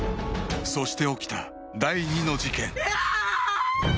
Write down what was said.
そして起きた第二の事件